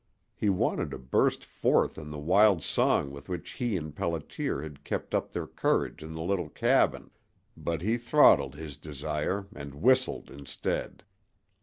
He wanted to burst forth in the wild song with which he and Pelliter had kept up their courage in the little cabin, but he throttled his desire and whistled instead.